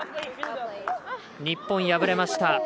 日本、敗れました。